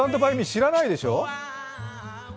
知らないでしょ？